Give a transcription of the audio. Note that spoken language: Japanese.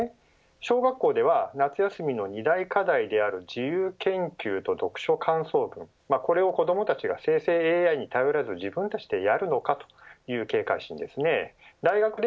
小学校では夏休みの二大課題である自由研究と読書感想文これを子どもたちが生成ＡＩに頼らず自分たちでやるのかという警戒心ですね。